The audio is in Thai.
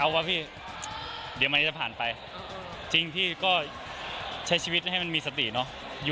ว่าพี่เดี๋ยวมันจะผ่านไปจริงพี่ก็ใช้ชีวิตให้มันมีสติเนอะ